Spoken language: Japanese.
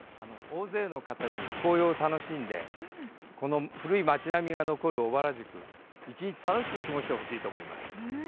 大勢の方に紅葉を楽しんで古い町並みが残る小原宿を一日楽しく過ごしてもらいたいと思います。